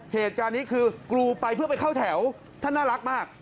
เหตุการณ์นี้คือกรูไปเพื่อไปเข้าแถวท่านน่ารักมาก